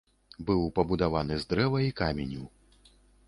Быў пабудаваны з дрэва і каменю.